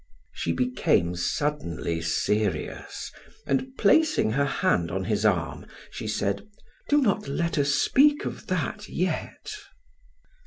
She became suddenly serious, and placing her hand on his arm, she said: "Do not let us speak of that yet."